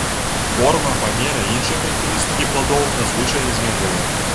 Форма, памер і іншыя характарыстыкі пладоў надзвычай зменлівыя.